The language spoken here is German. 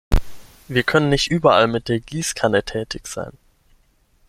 Wir können nicht überall mit der Gießkanne tätig sein.